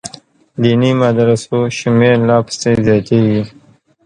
دیني مدرسو شمېر لا پسې زیاتېږي.